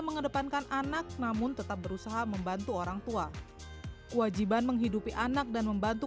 mengedepankan anak namun tetap berusaha membantu orang tua kewajiban menghidupi anak dan membantu